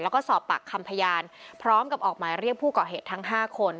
แล้วก็สอบปากคำพยานพร้อมกับออกหมายเรียกผู้ก่อเหตุทั้ง๕คน